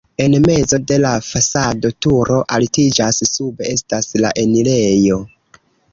En mezo de la fasado turo altiĝas, sube estas la enirejo.